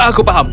ya ya aku paham